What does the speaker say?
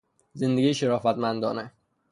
زندگی شرافت مندانه